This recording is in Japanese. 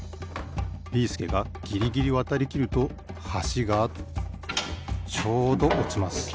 ビーすけがギリギリわたりきるとはしがちょうどおちます。